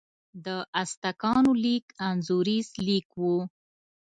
د ازتکانو لیک انځوریز لیک و.